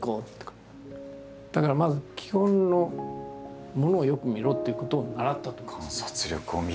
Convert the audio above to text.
だからまず基本のものをよく見ろということを習った。